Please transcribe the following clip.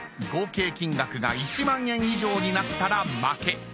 合計金額が１万円以上になったら負け。